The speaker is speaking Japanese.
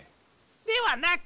ではなく！